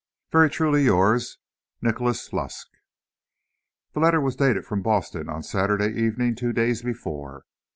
Very truly yours, Nicholas Lusk. The letter was dated from Boston, on Saturday evening, two days before.